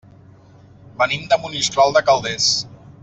Venim de Monistrol de Calders.